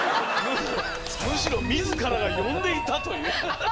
むしろ自らが呼んでいたという。